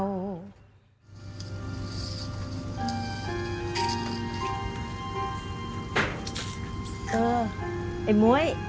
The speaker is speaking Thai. ไอ้ม้วย